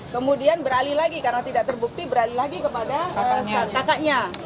kemudian beralih lagi karena tidak terbukti beralih lagi kepada kakaknya